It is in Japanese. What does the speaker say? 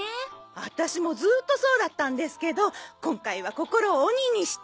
アタシもずっとそうだったんですけど今回は心を鬼にして。